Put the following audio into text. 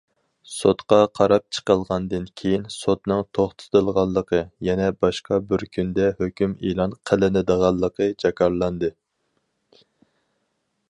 سوتتا قاراپ چىقىلغاندىن كېيىن، سوتنىڭ توختىتىلغانلىقى، يەنە باشقا بىر كۈندە ھۆكۈم ئېلان قىلىنىدىغانلىقى جاكارلاندى.